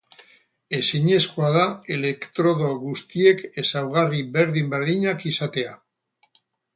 Ezinezkoa da elektrodo guztiek ezaugarri berdin-berdinak izatea.